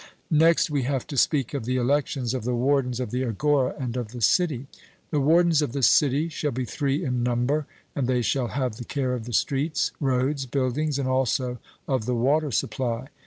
Next we have to speak of the elections of the wardens of the agora and of the city. The wardens of the city shall be three in number, and they shall have the care of the streets, roads, buildings, and also of the water supply.